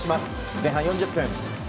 前半４０分。